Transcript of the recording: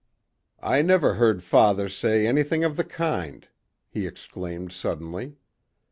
"I never heard father say anything of the kind," he exclaimed suddenly.